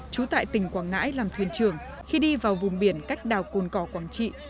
trú tại tỉnh quảng ngãi làm thuyền trưởng khi đi vào vùng biển cách đảo cồn cỏ quảng trị